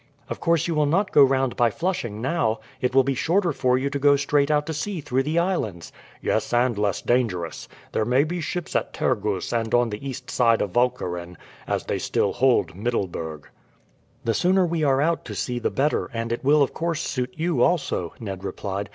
"Of course you will not go round by Flushing now? It will be shorter for you to go straight out to sea through the islands." "Yes, and less dangerous. There may be ships at Tergoes and on the east side of Walcheren, as they still hold Middleburg." "The sooner we are out to sea the better, and it will of course suit you also," Ned replied.